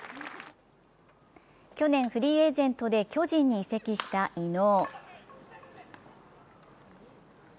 去年フリーエージェントで巨人に移籍した井納。